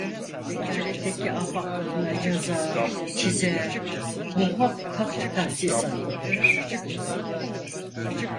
Vekaletteki ahbaplarına yazar, çizer, muhakkak tahsisat koparır.